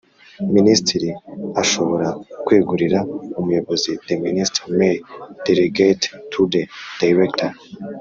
Minisitiri ashobora kwegurira Umuyobozi The Minister may delegate to the Director